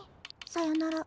さよなら。